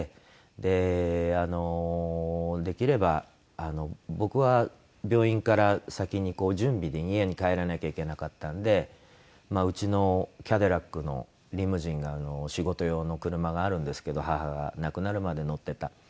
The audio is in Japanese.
あのできれば僕は病院から先に準備で家に帰らなきゃいけなかったのでうちのキャデラックのリムジンが仕事用の車があるんですけど母が亡くなるまで乗ってた。